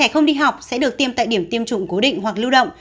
không đi học sẽ được tiêm tại điểm tiêm chủng cố định hoặc lưu động